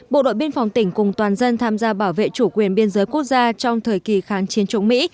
bộ đội biên phòng tỉnh cùng toàn dân tham gia bảo vệ chủ quyền biên giới quốc gia trong thời kỳ kháng chiến chống mỹ